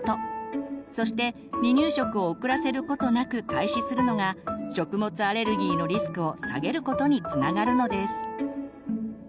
そして離乳食を遅らせることなく開始するのが食物アレルギーのリスクを下げることにつながるのです。